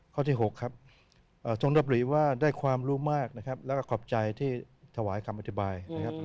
ข้อที่๖ทรงรับบริว่าได้ความรู้มากและขอบใจที่ถวายคำอธิบาย